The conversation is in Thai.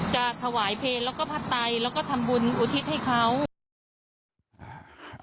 จะถวายเพลงแล้วก็พระไตแล้วก็ทำบุญอุทิศให้เขา